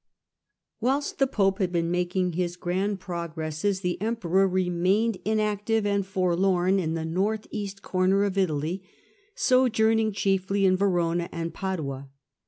Whilst the pope had been making his grand progresses, the emperor remained inactive and forlorn in the north east comer of Italy, sojourning chiefly in Verona and Padua.